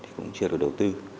thì cũng chưa được đầu tư